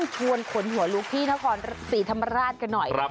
ชวนขนหัวลุกที่นครศรีธรรมราชกันหน่อย